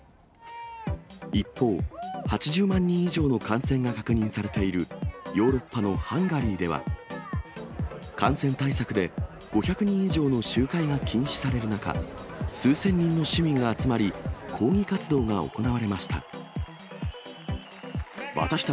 一方、８０万人以上の感染が確認されている、ヨーロッパのハンガリーでは、感染対策で５００人以上の集会が禁止される中、数千人の市民が集まり、抗議活動が行われました。